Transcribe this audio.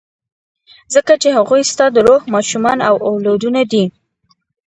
ځکه چې هغوی ستا د روح ماشومان او اولادونه دي.